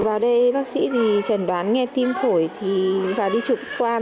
vào đây bác sĩ trần đoán nghe tim phổi thì vào đi trực quan